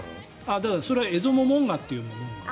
だから、それはエゾモモンガというモモンガ。